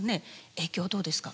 影響はどうですか？